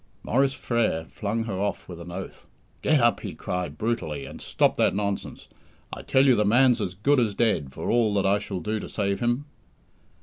Maurice Frere flung her off with an oath. "Get up!" he cried brutally, "and stop that nonsense. I tell you the man's as good as dead for all I shall do to save him."